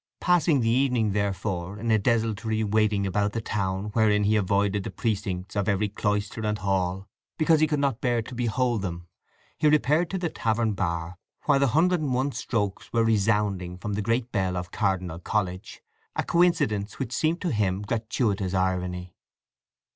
Passing the evening, therefore, in a desultory waiting about the town wherein he avoided the precincts of every cloister and hall, because he could not bear to behold them, he repaired to the tavern bar while the hundred and one strokes were resounding from the Great Bell of Cardinal College, a coincidence which seemed to him gratuitous irony.